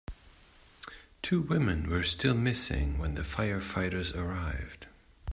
Two women were still missing when the firefighters arrived.